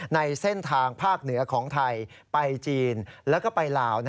ในเส้นทางภาคเหนือของไทยไปจีนแล้วก็ไปลาว